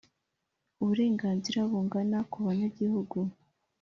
Uburenganzira bungana ku banyagihugu